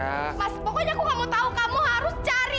mas pokoknya aku gak mau tahu kamu harus cari